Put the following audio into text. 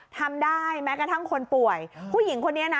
ทำได้แม้กระทั่งคนป่วยผู้หญิงคนนี้นะ